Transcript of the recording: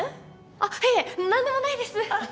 あっいえ何でもないです。